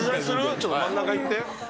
ちょっと真ん中行って。